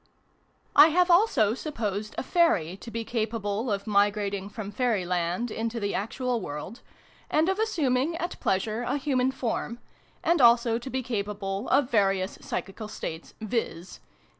PREFACE. i have also supposed a Fairy to be capable of mi grating from Fairyland into the actual world, and of assuming, at pleasure, a Human form ; and also to be capable of various psychical states, viz.